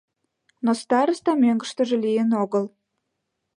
Но староста мӧҥгыштыжӧ лийын огыл.